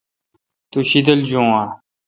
تو شیدل جون آں؟